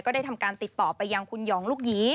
ได้ทำการติดต่อไปยังคุณหยองลูกหยี